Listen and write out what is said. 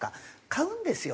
買うんですよ